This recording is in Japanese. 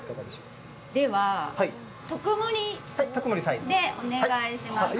では、特盛でお願いします。